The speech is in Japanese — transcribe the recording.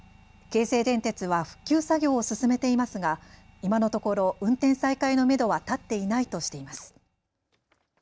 京成電鉄は復旧作業を進めていますが、今のところ運転再開のめどは立っていないとしています。